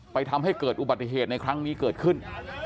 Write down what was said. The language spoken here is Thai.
ทำให้เกิดอุบัติเหตุในครั้งนี้เกิดขึ้น